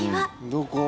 どこ？